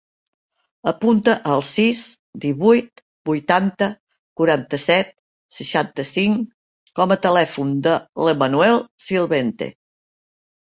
Apunta el sis, divuit, vuitanta, quaranta-set, seixanta-cinc com a telèfon de l'Emanuel Silvente.